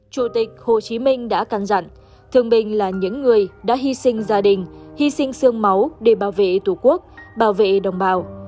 chủ tịch hồ chí minh đã căn dặn thương binh là những người đã hy sinh gia đình hy sinh sương máu để bảo vệ tổ quốc bảo vệ đồng bào